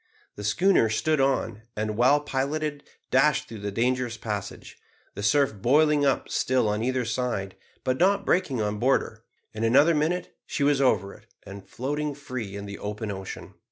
The schooner stood on, and, well piloted, dashed through the dangerous passage; the surf boiling up still on either side, but not breaking on board her. In another minute she was over it, and floating free in the open ocean.